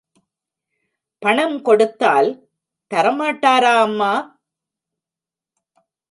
பணம் கொடுத்தால் தரமாட்டாரா அம்மா?